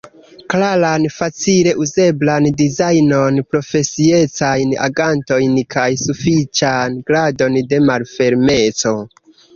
klaran, facile uzeblan dizajnon, profesiecajn agantojn kaj sufiĉan gradon de malfermeco.